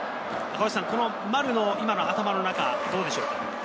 この丸の今の頭の中、どうでしょうか？